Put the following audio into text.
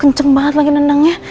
kenceng banget lagi nendangnya